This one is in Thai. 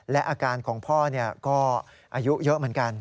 และอาการของพ่อก็อายุเยอะเหมือนกัน